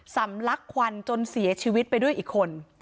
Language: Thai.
สำลักควันจนเสียชีวิตไปด้วยอีกคน